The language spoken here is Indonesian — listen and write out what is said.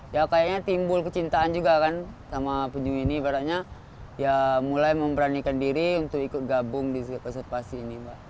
ya kayaknya timbul kecintaan juga kan sama penyu ini ibaratnya ya mulai memberanikan diri untuk ikut gabung di konservasi ini mbak